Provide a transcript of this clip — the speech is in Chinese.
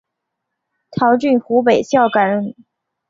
陶峻湖北孝感人。